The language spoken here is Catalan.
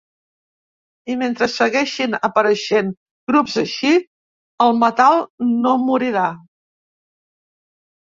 I mentre segueixin apareixent grups així, el metal no morirà.